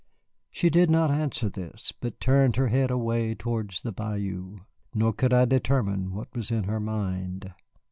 She did not answer this, but turned her head away towards the bayou. Nor could I determine what was in her mind.